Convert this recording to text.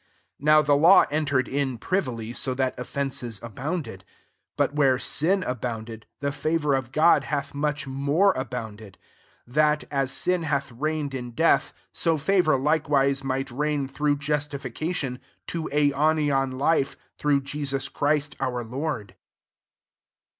* 20 Now the law entered in, privily, so that of fences abounded. But where sin abounded, the favour of Godj hath much more abounded: 21 that, as sin hath reigned in death, so favour likewise might reign, through justification, to aionian life, through Jesus Christ our Lord.